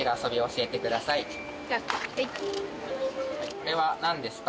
これは何ですか？